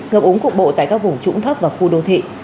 ngập ống cục bộ tại các vùng trũng thấp và khu đô thị